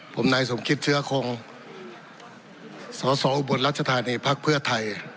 ผมนายสมคิตเชื้อคงสสออุบลรัชธานีพักเพื่อไทย